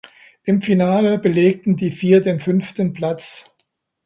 Im Finale belegten die vier den fünften Platz.